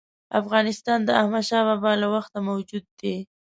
افغانستان د احمدشاه بابا له وخته موجود دی.